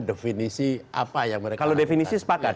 definisi apa yang mereka lakukan